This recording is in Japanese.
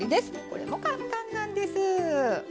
これも簡単なんです。